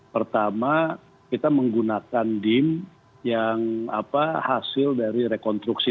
pertama kita menggunakan dim yang hasil dari rekonstruksi